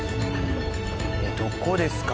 どこですか？